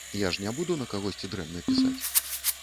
Я ж не буду на кагосьці дрэнна пісаць.